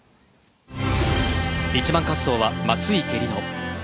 １番滑走は松生理乃。